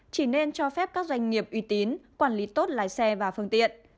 chỉ nên cho phép các doanh nghiệp uy tín quản lý tốt lái xe và phương tiện